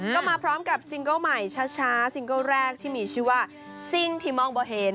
ก็มาพร้อมกับซิงเกิ้ลใหม่ช้าซิงเกิลแรกที่มีชื่อว่าซิ่งที่มองโบเฮน